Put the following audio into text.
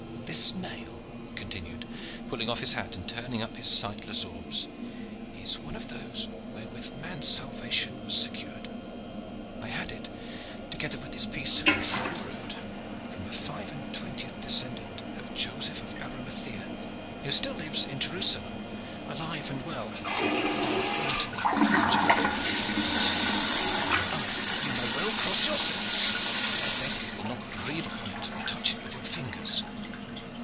This nail," he continued, pulling off his hat and turning up his sightless orbs, "is one of those wherewith man's salvation was secured. I had it, together with this piece of the true rood, from the five and twentieth descendant of Joseph of Arimathea, who still lives in Jerusalem alive and well, though latterly much afflicted by boils. Aye, you may well cross yourselves, and I beg that you will not breathe upon it or touch it with your fingers."